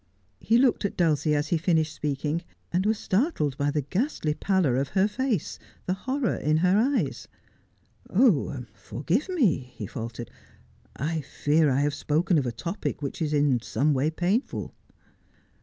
He looked at Dulcie as he finished speaking, and was startled by the ghastly pallor of her face — the horror in her eyes. ' Forgive me,' he faltered, ' I fear I have spoken of a topic which is in some way painful.'